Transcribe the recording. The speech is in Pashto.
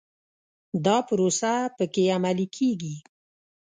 دا پروسه په کې عملي کېږي.